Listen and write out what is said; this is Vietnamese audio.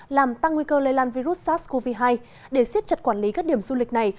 làm tăng nguy cơ lây lan virus sars cov hai để siết chặt quản lý các điểm du lịch này